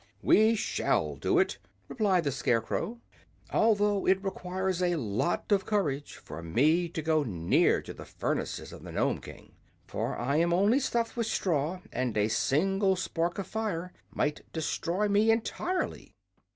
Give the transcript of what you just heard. "We shall do it," replied the Scarecrow, "although it requires a lot of courage for me to go near to the furnaces of the Nome King. For I am only stuffed with straw, and a single spark of fire might destroy me entirely."